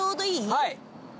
はい。